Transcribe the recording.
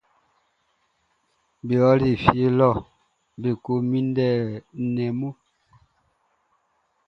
Be ɔli fie lɔ be ko niannin nnɛn mun.